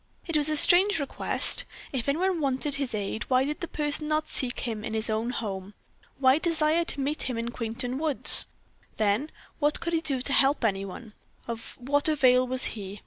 It was a strange request. If any one wanted his aid, why did the person not seek him in his own home? Why desire to meet him in Quainton woods? Then, what could he do to help any one? Of what avail was he?